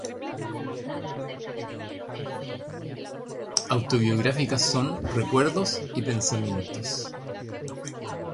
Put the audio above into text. Autobiográficas son "Recuerdos" y "Pensamientos".